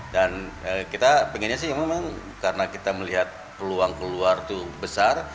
dan kita pengennya sih memang karena kita melihat peluang keluar itu besar